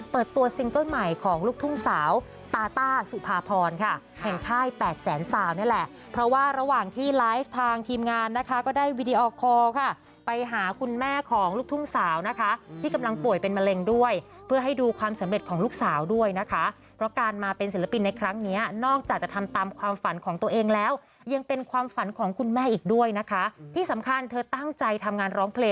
เปิดตัวซิงเกอร์ใหม่ของลูกทุ่งสาวตาต้าสุภาพรค่ะแห่งค่าย๘แสนสาวนี่แหละเพราะว่าระหว่างที่ไลฟ์ทางทีมงานนะคะก็ได้วีดีโอคอลค่ะไปหาคุณแม่ของลูกทุ่งสาวนะคะที่กำลังป่วยเป็นมะเร็งด้วยเพื่อให้ดูความสำเร็จของลูกสาวด้วยนะคะเพราะการมาเป็นศิลปินในครั้งนี้นอกจากจะทำตามความฝันของตั